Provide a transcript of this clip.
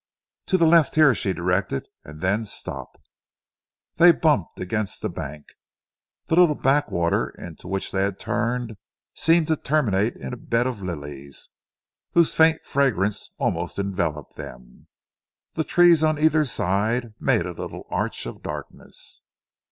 "To the left here," she directed, "and then stop." They bumped against the bank. The little backwater into which they had turned seemed to terminate in a bed of lilies whose faint fragrance almost enveloped them. The trees on either side made a little arch of darkness.